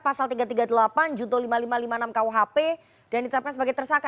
pasal tiga ratus tiga puluh delapan junto lima ribu lima ratus lima puluh enam kuhp dan ditetapkan sebagai tersangka